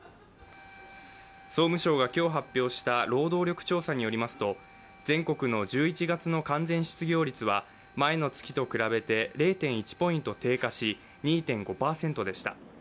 総務省が今日発表した労働力調査によりますと、全国の１１月の完全失業率は前の月と比べて０．１ポイント低下し２．５％でした。